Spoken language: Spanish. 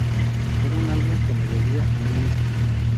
Era un álbum que me debía a mí mismo.